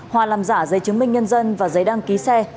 hòa làm giả giấy chứng minh nhân dân và giấy đăng ký xe